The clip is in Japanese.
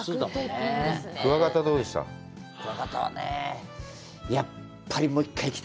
クワガタはどうでした？